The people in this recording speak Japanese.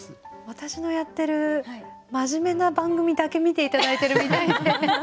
私のやってる真面目な番組だけ見て頂いてるみたいで。